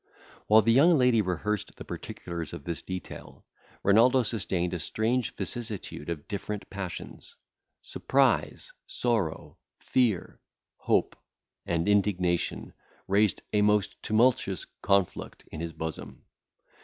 While the young lady rehearsed the particulars of this detail, Renaldo sustained a strange vicissitude of different passions. Surprise, sorrow, fear, hope, and indignation raised a most tumultuous conflict in his bosom.